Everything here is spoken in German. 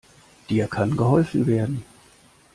Dir kann geholfen werden.